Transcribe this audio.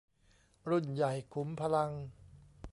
รุ่นใหญ่ขุมพลัง